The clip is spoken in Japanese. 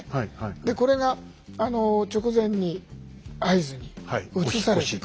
でこれが直前に会津に移されていく。